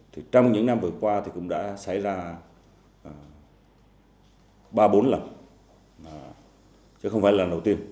trong những năm vừa qua cũng đã xảy ra ba bốn lần chứ không phải lần đầu tiên